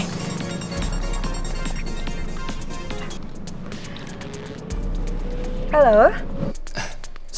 lintapan ada tujuh belas dari tujuh belas